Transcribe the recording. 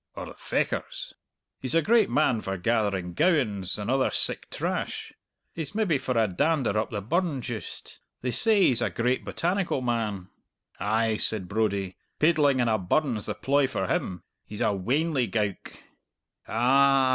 "Or the Fechars?" "He's a great man for gathering gowans and other sic trash. He's maybe for a dander up the burn juist. They say he's a great botanical man." "Ay," said Brodie, "paidling in a burn's the ploy for him. He's a weanly gowk." "A a ah!"